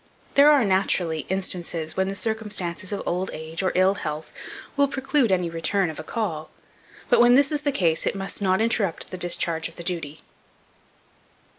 There are, naturally, instances when the circumstances of old age or ill health will preclude any return of a call; but when this is the case, it must not interrupt the discharge of the duty.